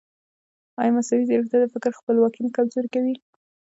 ایا مصنوعي ځیرکتیا د فکر خپلواکي نه کمزورې کوي؟